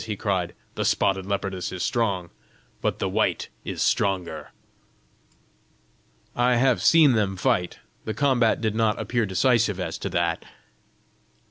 he cried. "The spotted leopardess is strong, but the white is stronger!" "I have seen them fight: the combat did not appear decisive as to that."